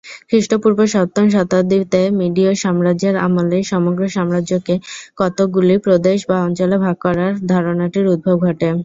খ্রিস্টপূর্ব সপ্তম শতাব্দীতে মিডিয় সাম্রাজ্যের আমলেই সমগ্র সাম্রাজ্যকে কতগুলি প্রদেশ বা অঞ্চলে ভাগ করার ধারণাটির উদ্ভব ঘটে।